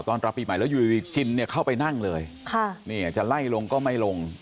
ตอนรับปีใหม่แล้วอยู่ดีจินเนี่ยเข้าไปนั่งเลยจะไล่ลงก็ไม่ลง